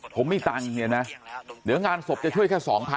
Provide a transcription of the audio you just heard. ผมมีตังค์เห็นไหมเดี๋ยวงานศพจะช่วยแค่๒๐๐๐